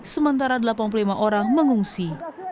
sementara delapan puluh lima orang mengungsi